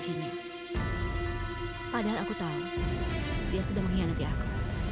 ini bukan pengahdian aku